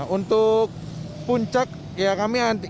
untuk puncak kami antik